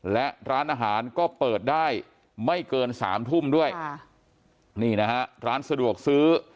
และร้านอาหารก็เปิดได้ไม่เกินสามทุ่มด้วยค่ะนี่นะฮะร้านสะดวกซื้อ